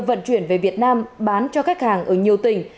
vận chuyển về việt nam bán cho khách hàng ở nhiều tỉnh